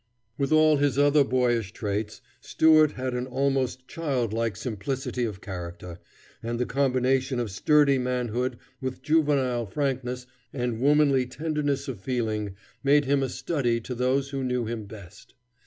With all his other boyish traits, Stuart had an almost child like simplicity of character, and the combination of sturdy manhood with juvenile frankness and womanly tenderness of feeling made him a study to those who knew him best.